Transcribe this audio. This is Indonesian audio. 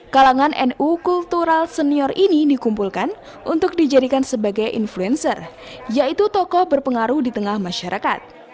kalangan nu kultural senior ini dikumpulkan untuk dijadikan sebagai influencer yaitu tokoh berpengaruh di tengah masyarakat